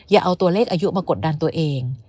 อย่าเอาตัวเลขอายุมากดดันตัวเอง